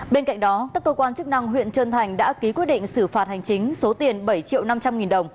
bên cạnh đó các cơ quan chức năng huyện trơn thành đã ký quyết định xử phạt hành chính số tiền bảy triệu năm trăm linh nghìn đồng